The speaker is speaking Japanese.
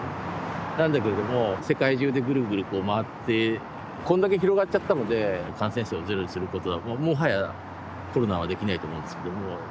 なんだけれども世界中でぐるぐるこう回ってこんだけ広がっちゃったので感染者をゼロにすることはもはやコロナはできないと思うんですけども。